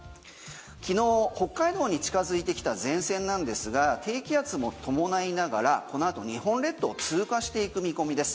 昨日、北海道に近づいてきた前線なんですが低気圧も伴いながらこの後、日本列島を通過していく見込みです。